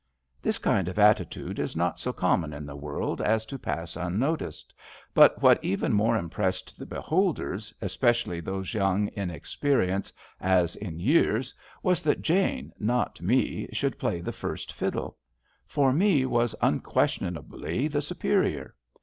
This kind of attitude is not so common in the world as to pass unnoticed, but what even more impressed the beholders, especially those young in experience as in years, was that Jane, not Me, should play the first fiddle. For Me was unquestionably the superior.